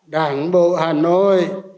đảng bộ hà nội